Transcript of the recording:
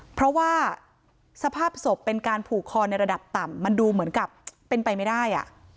เพราะว่าสภาพศพเป็นการผูกคอในระดับต่ำมันดูเหมือนกับเป็นไปไม่ได้